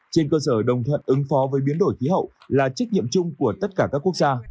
trên cơ sở đồng thuận ứng phó với biến đổi khí hậu là trách nhiệm chung của tất cả các quốc gia